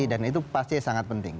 saksi dan itu pasti sangat penting